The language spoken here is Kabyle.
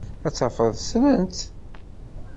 Ad tafeḍ ssnen-tt.